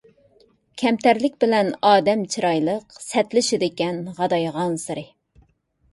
كەمتەرلىك بىلەن ئادەم چىرايلىق، سەتلىشىدىكەن غادايغانسېرى.